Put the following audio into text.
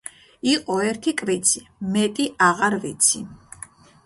იყო ერთი კვიცი მეტი აღარ ვიცი